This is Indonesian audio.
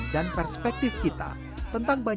kita bisa menerima penulisan yang lebih baik